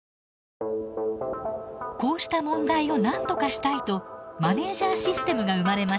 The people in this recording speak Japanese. こうした問題をなんとかしたいとマネージャーシステムが生まれました。